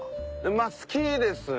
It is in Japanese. まあ好きですね。